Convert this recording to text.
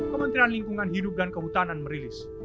kementerian lingkungan hidup dan kehutanan merilis